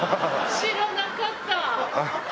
知らなかった。